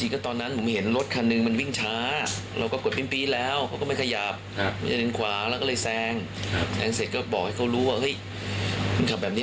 ใครนึกออกมาว่าภาษณาพวกวัทย์เศร้าหลีนเนี่ย